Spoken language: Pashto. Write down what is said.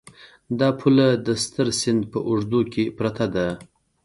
دا پوله د ستر سیند په اوږدو کې پرته ده.